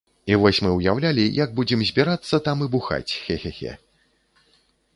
І вось мы ўяўлялі, як будзем збірацца там і бухаць, хе-хе-хе.